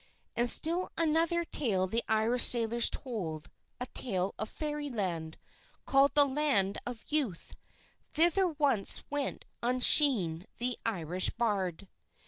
_" And still another tale the Irish sailors told, a tale of Fairy Land, called the Land of Youth. Thither once went Usheen the Irish Bard.